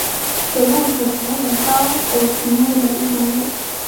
水鹿属哺乳纲偶蹄目的一种鹿。